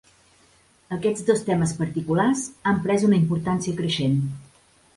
Aquests dos temes particulars han pres una importància creixent.